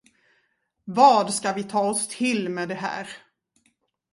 Vad ska vi ta oss till med det här?